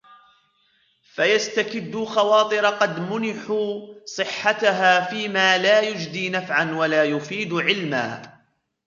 فَيَسْتَكِدُّوا خَوَاطِرَ قَدْ مُنِحُوا صِحَّتَهَا فِيمَا لَا يُجْدِي نَفْعًا وَلَا يُفِيدُ عِلْمًا